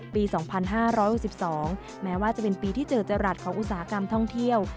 ปี๒๕๖๒แม้ว่าจะเป็นปีที่เจอจรัสของอุตสาหกรรมท่องเที่ยว